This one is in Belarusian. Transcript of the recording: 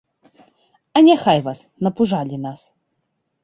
А няхай вас, напужалі нас.